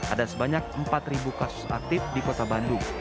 ada sebanyak empat kasus aktif di kota bandung